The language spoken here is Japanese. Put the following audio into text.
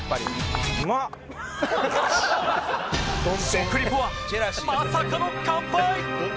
食リポはまさかの完敗